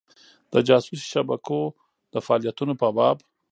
د جاسوسي شبکو د فعالیتونو په باب.